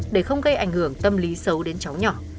để không gây ảnh hưởng tâm lý xấu đến cháu nhỏ